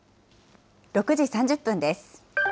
６時３０分です。